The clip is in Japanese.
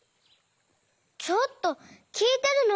ちょっときいてるの？